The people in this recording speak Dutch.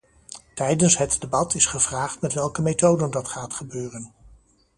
Tijdens het debat is gevraagd met welke methoden dat gaat gebeuren.